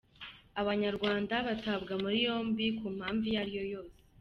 Abanyarwanda batabwa muri yombi ku mpamvu iyo ariyo yose